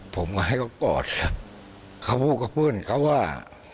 ผมก็ให้เขากอดเขาพูดกับเพื่อนเขาว่า